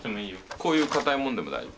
こういう硬いもんでも大丈夫？